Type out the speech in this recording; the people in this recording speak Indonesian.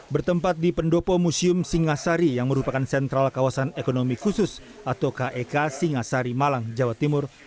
bertempat di pendopo museum singasari yang merupakan sentral kawasan ekonomi khusus atau kek singasari malang jawa timur